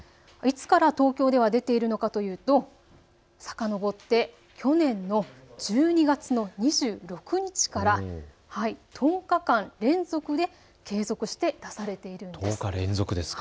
いつから東京では出ているのかというと、さかのぼって去年の１２月の２６日から１０日間連続で継続して出されているんです。